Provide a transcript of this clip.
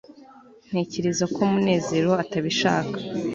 ntekereza ko munezero atabishaka